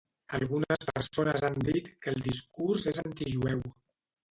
Algunes persones han dit que el discurs és antijueu.